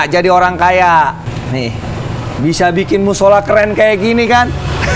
jangan terus dengar baik baikan